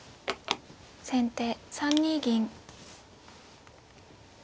先手３二銀。